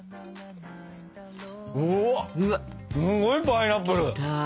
うわっすごいパイナップル。